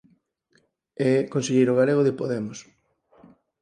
É conselleiro galego de Podemos.